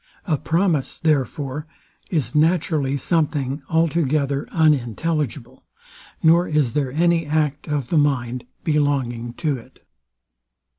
A promise, therefore, is naturally something altogether unintelligible, nor is there any act of the mind belonging to it.